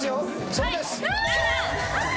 そうです。